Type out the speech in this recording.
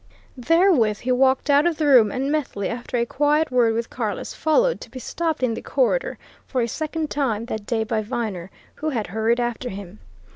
Therewith he walked out of the room; and Methley, after a quiet word with Carless, followed to be stopped in the corridor, for a second time that day, by Viner, who had hurried after him.